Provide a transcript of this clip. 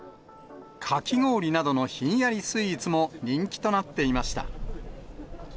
かき氷などのひんやりスイーツも人気となっていました。